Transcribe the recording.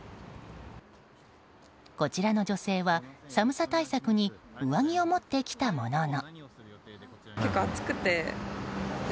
こちらの女性は寒さ対策に上着を持ってきたものの。